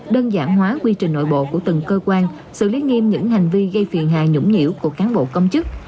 đơn giản hóa quy trình nội bộ của từng cơ quan xử lý nghiêm những hành vi gây phiền hà nhũng nhiễu của cán bộ công chức